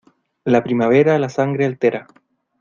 La primavera la sangre altera.